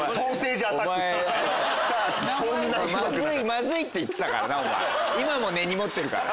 まずいって言ってたお前。